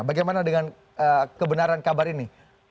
bagaimana dengan kebenaran kabar ini